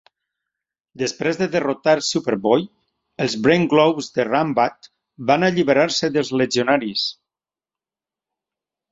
Després de derrotar Superboy, els Brain-Globes de Rambat van alliberar-se dels Legionaris.